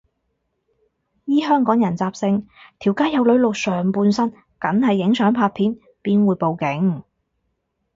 依香港人習性，條街有女露上半身梗係影相拍片，邊會報警